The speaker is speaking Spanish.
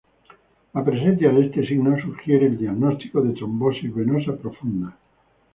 La presencia de este signo sugiere el diagnóstico de trombosis venosa profunda.